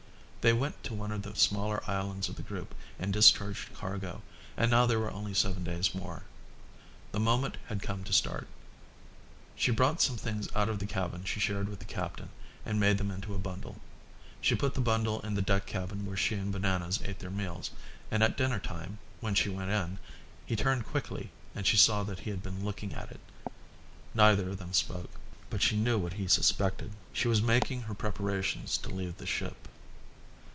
They went to one of the smaller islands of the group and discharged cargo, and now there were only seven days more. The moment had come to start. She brought some things out of the cabin she shared with the captain and made them into a bundle. She put the bundle in the deck cabin where she and Bananas ate their meals, and at dinner time, when she went in, he turned quickly and she saw that he had been looking at it. Neither of them spoke, but she knew what he suspected. She was making her preparations to leave the ship.